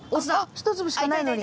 １粒しかないのに。